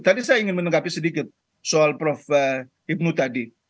tadi saya ingin menanggapi sedikit soal prof hipnu tadi